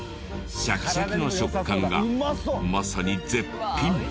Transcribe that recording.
シャキシャキの食感がまさに絶品！